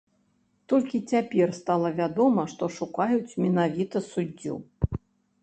Толькі цяпер стала вядома, што шукаюць менавіта суддзю.